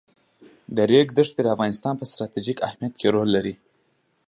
د ریګ دښتې د افغانستان په ستراتیژیک اهمیت کې رول لري.